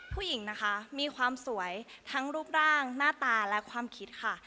ผู้หญิงนะคะมีความสวยทั้งรูปร่างหน้าตาและความคิดค่ะ